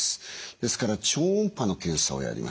ですから超音波の検査をやります。